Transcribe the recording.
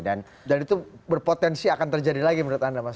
itu berpotensi akan terjadi lagi menurut anda mas